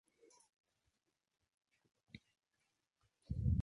Allí continuó su aprendizaje sobre el cello con Joseph Jacob.